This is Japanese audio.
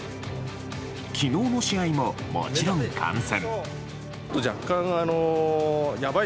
昨日の試合も、もちろん観戦。